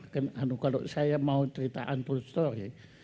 kalau saya mau cerita untold story